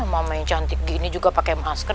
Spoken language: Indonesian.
mama yang cantik gini juga pake masker